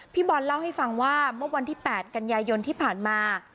พี่บอลเล่าให้ฟังว่าเมื่อวันที่๘กันยายนที่ผ่านมา